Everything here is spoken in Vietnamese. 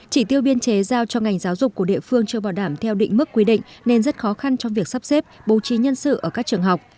chỉ tiêu biên chế giao cho ngành giáo dục của địa phương chưa bảo đảm theo định mức quy định nên rất khó khăn trong việc sắp xếp bố trí nhân sự ở các trường học